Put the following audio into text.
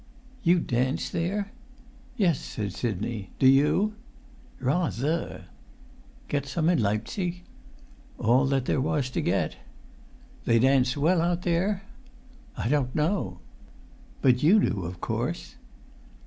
"You dance there!" "Yes," said Sidney; "do you?" "Rather!" "Get some in Leipzig?" "All that there was to get." "They dance well out there?" "I don't know." "But you do, of course?"